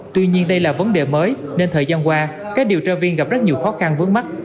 tuy nhiên đây là vấn đề mới nên thời gian qua các điều tra viên gặp rất nhiều khó khăn vướng mắt